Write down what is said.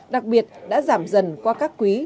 đặc biệt đã giảm dần qua các quý